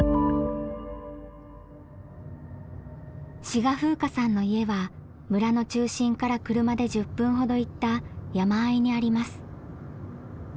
志賀風夏さんの家は村の中心から車で１０分ほど行った山あいにあります。